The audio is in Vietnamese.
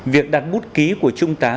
việc đặt bút ký của trung tá